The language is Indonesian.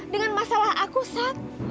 dengan masalah aku sat